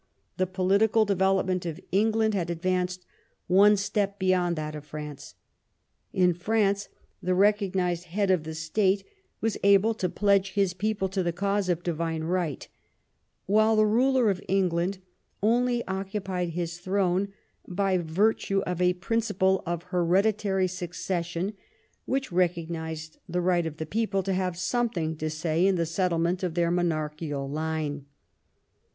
The political devel opment of England had advanced one step beyond that of France. In France the recognized head of the state was able to pledge his people to the cause of divine right, while the ruler of England only occupied his throne by virtue of a principle of hereditary succes sion which recognized the right of the people to have something to say in the settlement of their monarchical line.